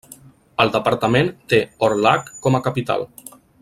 El departament té Orlhac com a capital.